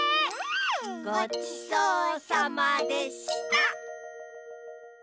ごちそうさまでした！